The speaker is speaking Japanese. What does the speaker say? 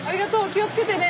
気をつけてね。